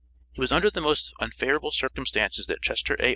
It was under the most unfavorable circumstances that Chester A.